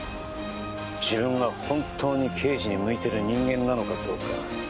自分が本当に刑事に向いている人間なのかどうか。